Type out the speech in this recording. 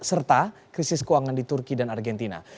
serta krisis keuangan di turki dan argentina